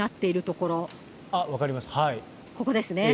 ここですね。